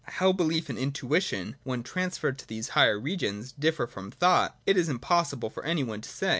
How belief and intuition, when transferred to these higher regions, differ from thought, it is impossible for any one to say.